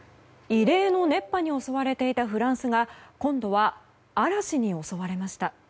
異例の熱波に襲われていたフランスが今度は嵐に襲われました。